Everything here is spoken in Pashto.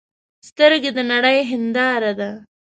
سترګې د نړۍ هنداره ده